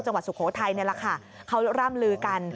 จังหวัดสุโขทัยเนี่ยละค่ะเขาร่ำลือกัน